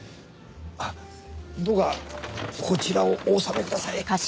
あっどうかこちらをお納めください。